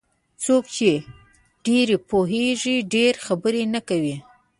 څوک چې ډېر پوهېږي ډېرې خبرې نه کوي.